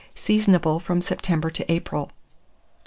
Seasonable from September to April.